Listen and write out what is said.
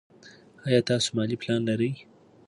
ایا تاسو مالي پلان لرئ.